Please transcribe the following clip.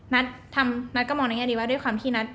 นัทก็มองในแง่ดีว่าด้วยความที่นัท